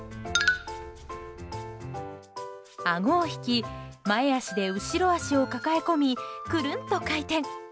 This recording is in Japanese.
あごを引き前脚で後ろ脚を抱え込みくるんと回転。